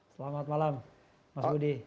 selamat malam mas budi